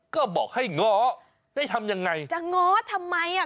ก็บอกให้ง้อได้ทำยังไงจะง้อทำไมอ่ะ